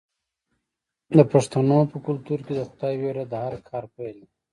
د پښتنو په کلتور کې د خدای ویره د هر کار پیل دی.